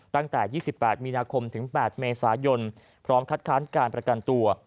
ตั้งแต่ยี่สิบแปดมินาคมถึงแปดเมษายนพร้อมคัดค้านการประกันตัว